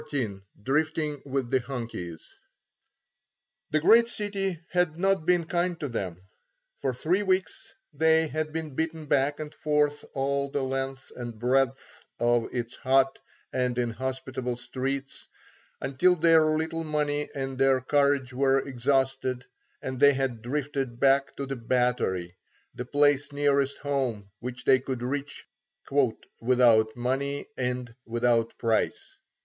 XIV DRIFTING WITH THE "HUNKIES" THE great city had not been kind to them. For three weeks they had been beaten back and forth all the length and breadth of its hot and inhospitable streets until their little money and their courage were exhausted, and they had drifted back to the Battery, the place nearest home which they could reach "without money and without price."